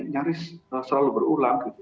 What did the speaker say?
nyaris selalu berulang